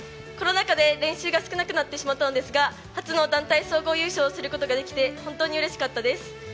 コロナ禍で練習が少なくなってしまったのですが初の団体総合優勝をすることができて本当にうれしかったです。